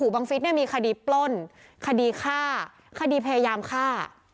บังฟิศมีคดีปล้นคดีฆ่าคดีพยายามฆ่า